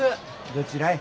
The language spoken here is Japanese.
どちらへ？